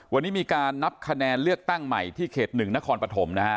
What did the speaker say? วันนี้มีการนับคะแนนเลือกตั้งใหม่ที่เขต๑นครปฐมนะฮะ